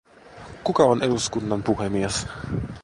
Kuka on eduskunnan puhemies?